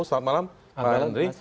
selamat malam pak henry